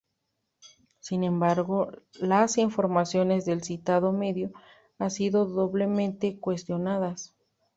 Sin embargo, las informaciones del citado medio, han sido doblemente cuestionadas.